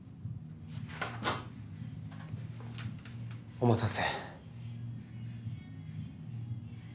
お待たせ。